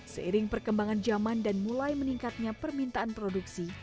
seiring perkembangan zaman dan mulai meningkatnya permintaan produksi